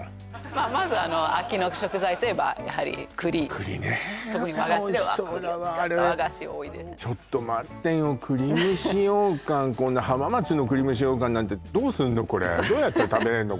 まあまず秋の食材といえばやはり栗栗ね特に和菓子では栗を使った和菓子多いですねちょっと待ってよ栗蒸し羊羹浜松の栗蒸し羊羹なんてどうすんのこれどうやったら食べれるの？